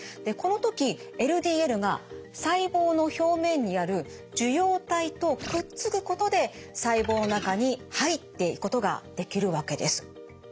この時ＬＤＬが細胞の表面にある受容体とくっつくことで細胞の中に入っていくことができるわけです。